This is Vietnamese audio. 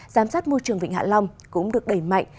giám sát môi trường vịnh hạ long cũng được đẩy mạnh